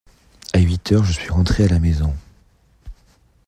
À huit heures je suis rentré à la maison.